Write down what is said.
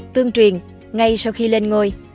tương truyền ngay sau khi lên ngôi